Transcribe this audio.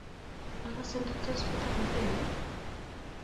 Akase ndatos petak metinnyu.